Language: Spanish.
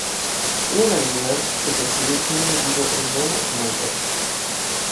Tiene la habilidad de percibir si un individuo es bueno o malvado.